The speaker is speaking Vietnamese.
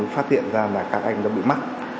phát hiện ra các anh bị mắc